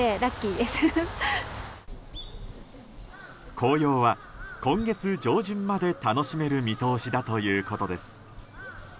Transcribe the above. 紅葉は、今月上旬まで楽しめる見通しだということです。